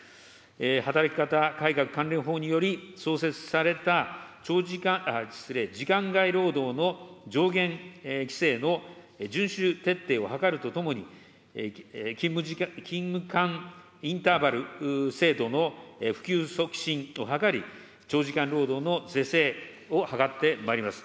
働き方改革関連法により創設された、時間外労働の上限規制の順守徹底を図るとともに、勤務間インターバル制度の普及促進を図り、長時間労働の是正を図ってまいります。